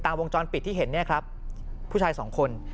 วงจรปิดที่เห็นเนี่ยครับผู้ชายสองคน